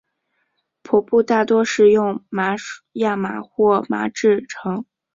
帆布大多是用亚麻或麻制成。